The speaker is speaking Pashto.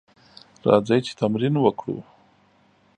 راځئ چې تمرين وکړو.